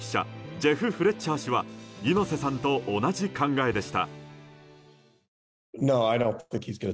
ジェフ・フレッチャー氏は猪瀬さんと同じ考えでした。